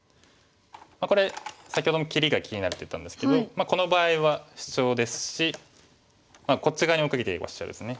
これ先ほども切りが気になるって言ったんですけどこの場合はシチョウですしこっち側に追っかけていくシチョウですね。